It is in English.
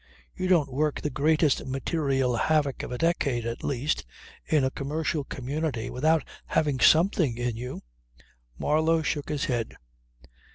You don't work the greatest material havoc of a decade at least, in a commercial community, without having something in you." Marlow shook his head.